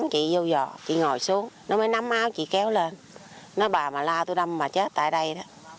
chị kéo lên nói bà mà la tôi đâm bà chết tại đây đó